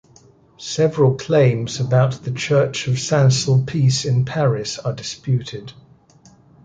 Several claims about the Church of Saint-Sulpice in Paris are disputed.